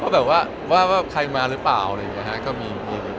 ว่าแบบว่าใครมาหรือเปล่าอะไรอย่างเงี้ยฮะก็มี